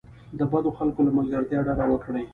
د بدو خلکو له ملګرتیا ډډه وکړئ.